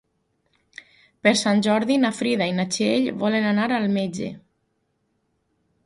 Per Sant Jordi na Frida i na Txell volen anar al metge.